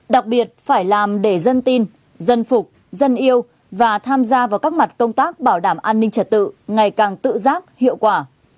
đặc biệt phải làm để dân tin dân phục dân yêu và tham gia vào các mặt công tác bảo đảm an ninh trật tự ngày càng tự giác hiệu quả